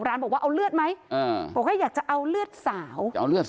ร้านบอกว่าเอาเลือดไหมบอกว่าอยากจะเอาเลือดสาว